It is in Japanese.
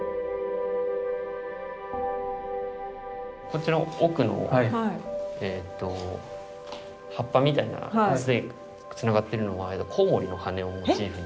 こちら奥のえっと葉っぱみたいなつながってるのはコウモリの羽をモチーフにしていて。